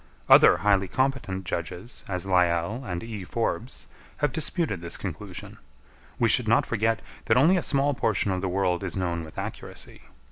Other highly competent judges, as Lyell and E. Forbes, have disputed this conclusion. We should not forget that only a small portion of the world is known with accuracy.